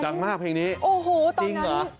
ดังมากเพลงนี้จริงเหรอ